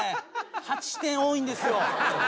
８点多いんですよ。